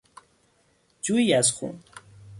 جویی از خون